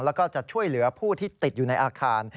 แล้วก็จะช่วยเหลือผู้ที่ติดอยู่ในอาคาร